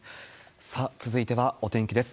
さあ、続いてはお天気です。